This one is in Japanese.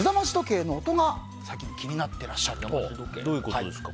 どういうことですか？